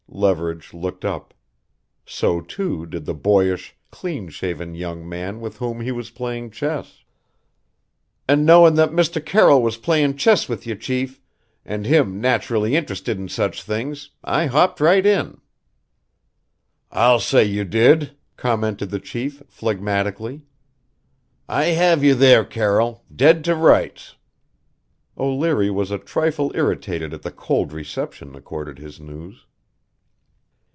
Leverage looked up. So, too, did the boyish, clean shaven young man with whom he was playing chess. "An' knowin' that Mr. Carroll was playin' chess with ye, chief an' him naturally interested in such things I hopped right in." "I'll say you did," commented the chief phlegmatically. "I have you there, Carroll dead to rights!" O'Leary was a trifle irritated at the cold reception accorded his news.